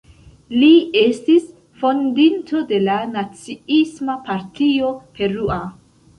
Li estis fondinto de la Naciisma Partio Perua.